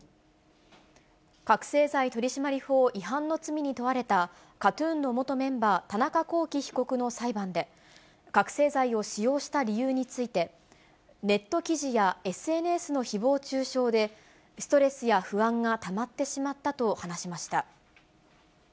覚醒剤取締法違反の罪に問われた、ＫＡＴーＴＵＮの元メンバー、田中聖被告の裁判で、覚醒剤を使用した理由について、ネット記事やＳＮＳのひぼう中傷で、ストレスや不安がたまってしまったと話しました。